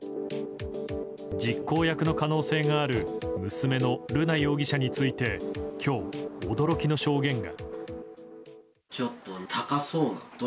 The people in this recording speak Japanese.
実行役の可能性がある娘の瑠奈容疑者について今日、驚きの証言が。